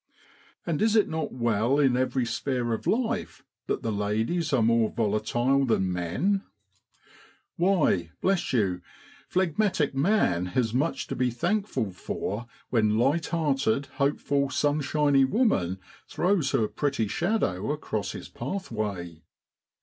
And is it not well in every sphere of life that the ladies are more volatile than men ? Why, bless you, phlegmatic man has much to be thankful for when light hearted, hopeful, sunshiny woman throws her pretty shadow across his path way